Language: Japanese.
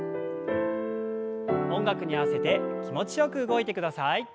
音楽に合わせて気持ちよく動いてください。